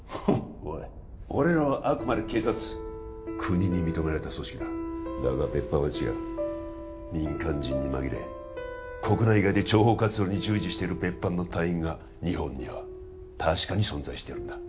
おい俺らはあくまで警察国に認められた組織だだが別班は違う民間人に紛れ国内外で諜報活動に従事してる別班の隊員が日本には確かに存在してるんだ